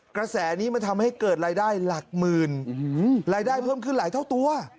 กระแสนี้มันทำให้เกิดรายได้หลักหมื่นรายได้เพิ่มขึ้นหลายเท่าตัว